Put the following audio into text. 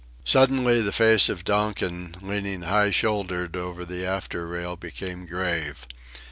Suddenly the face of Donkin leaning high shouldered over the after rail became grave.